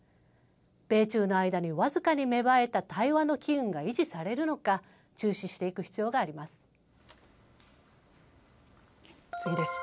米中の間に僅かに芽生えた対話の機運が維持されるのか、注視して次です。